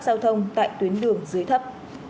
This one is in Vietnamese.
giao thông tại tuyến đường dưới thấp